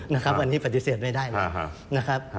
นะครับอันนี้ปฏิเสธไม่ได้เลยนะครับ